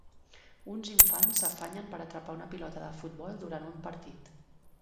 Uns infants s'afanyen per atrapar una pilota de futbol durant un partit.